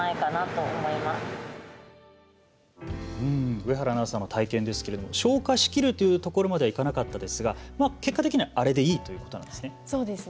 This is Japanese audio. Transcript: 上原アナウンサーの体験ですが消火しきるというところまではいかなかったですが結果的にはあれでいいということなんですね。